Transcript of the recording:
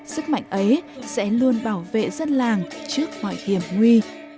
sức mạnh ấy sẽ luôn bảo vệ dân làng trước mọi hiểm nguy